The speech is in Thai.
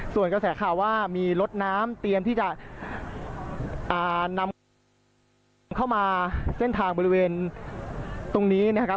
ส่วนกระแสข่าวว่ามีรถน้ำเตรียมที่จะนำเข้ามาเส้นทางบริเวณตรงนี้นะครับ